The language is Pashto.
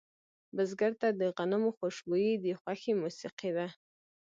بزګر ته د غنمو خوشبويي د خوښې موسیقي ده